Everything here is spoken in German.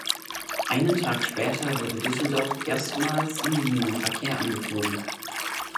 Einen Tag später wurde Düsseldorf erstmals im Linienverkehr angeflogen.